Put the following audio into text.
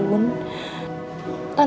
kalau tante butuh apapun